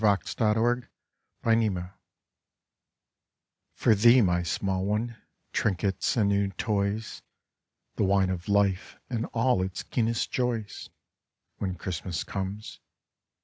WHEN CHRISTMAS COMES For thee, my small one trinkets and new toys, The wine of life and all its keenest joys, When Christmas comes.